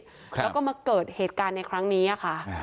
แล้วก็มาเกิดเหตุการณ์ในครั้งนี้ค่ะ